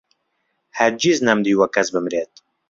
هەرگیز نەمدیوە کەس بمرێت